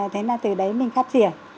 thế là từ đấy mình phát triển